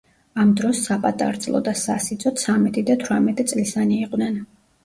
ამ დროს საპატარძლო და სასიძო ცამეტი და თვრამეტი წლისანი იყვნენ.